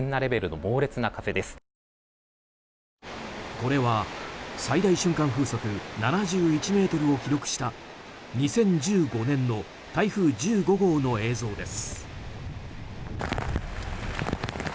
これは、最大瞬間風速７１メートルを記録した２０１５年の台風１５号の映像です。